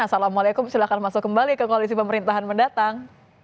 assalamualaikum silahkan masuk kembali ke koalisi pemerintahan mendatang